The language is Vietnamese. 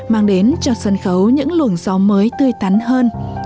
mang đến cho sân khấu những luồng gió mới tươi tắn hơn